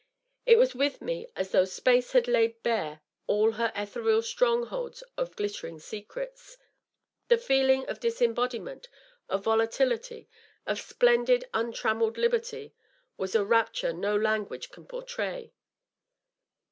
It was with me as though space had laid bare all her ethereal strongholds of glittering secrets. The feeling of disembodiment, of volatility, of splendid, untrammelled liberty, was a rapture no language can portray.